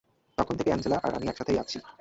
তখন থেকে অ্যাঞ্জেলা আর আমি একসাথেই আছি।